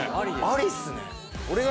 ありっすね。